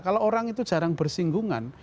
kalau orang itu jarang bersinggungan